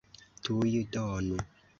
Tuj donu!